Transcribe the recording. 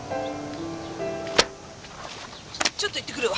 ちょっと行ってくるわ。